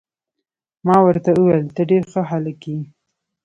ما ورته وویل: ته ډیر ښه هلک يې.